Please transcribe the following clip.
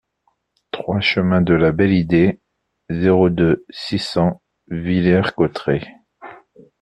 trois chemin de la Belle Idée, zéro deux, six cents Villers-Cotterêts